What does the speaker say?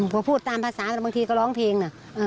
พอพูดตามภาษาแต่บางทีก็ร้องเพลงนะ